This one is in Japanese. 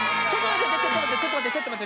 ちょっとまってちょっとまって。